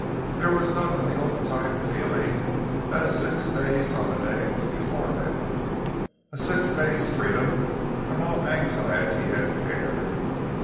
There was none of the old time feeling that a six days' holiday was before them, a six days' freedom from all anxiety and care.